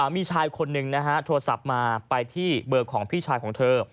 มีชายคนหนึ่งนะฮะโทรศัพท์มาไปที่เบอร์ของพี่ชายของเธอ